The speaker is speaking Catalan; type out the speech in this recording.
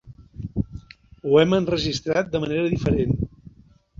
Ho hem enregistrat de manera diferent.